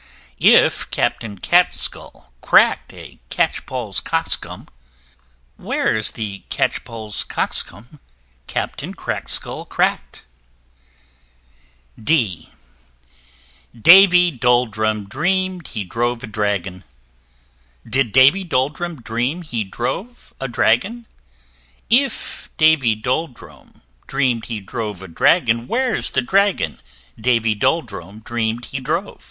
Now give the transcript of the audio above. If Captain Crackskull crack'd a Catchpoll's Cockscomb, Where's the Catchpoll's Cockscomb Captain Crackskull crack'd? D d [Illustration: Davy Dolldrum] Davy Dolldrum dream'd he drove a Dragon: Did Davy Dolldrum dream he drove a dragon? If Davy Dolldrum dream'd he drove a dragon Where's the dragon Davy Dolldrum dream'd he drove?